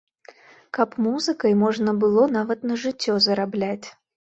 Каб музыкай можна было нават на жыццё зарабляць.